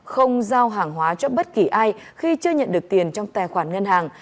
không giao hàng hóa cho bất kỳ ai khi chưa nhận được tiền trong tài khoản ngân hàng